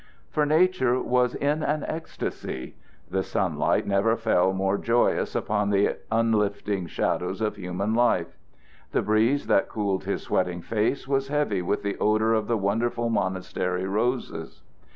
For Nature was in an ecstasy. The sunlight never fell more joyous upon the unlifting shadows of human life. The breeze that cooled his sweating face was heavy with the odor of the wonderful monastery roses.